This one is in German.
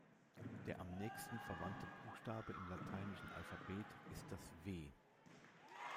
Der am nächsten verwandte Buchstabe im lateinischen Alphabet ist das „W“.